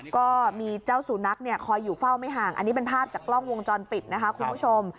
ก็มีเจ้าสุนัขเนี่ยคอยอยู่เฝ้าไม่ห่างอันนี้เป็นภาพจากกล้องวงจรปิดนะคะคุณผู้ชม